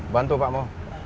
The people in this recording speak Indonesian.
bantu pak mo